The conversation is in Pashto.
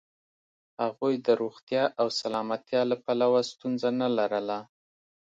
هغوی د روغتیا او سلامتیا له پلوه ستونزه نه لرله.